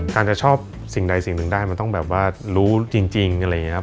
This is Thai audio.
การจะชอบสิ่งใดสิ่งหนึ่งได้มันต้องแบบว่ารู้จริงอะไรอย่างนี้ครับ